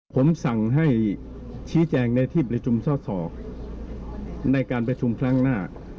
ผมสั่งให้ชี้แจงในที่ประชุมสอสอในการประชุมครั้งหน้า